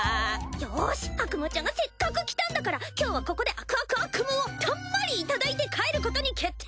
よしアクムーちゃんがせっかく来たんだから今日はここであくあくあっくむーをたんまりいただいて帰ることに決定！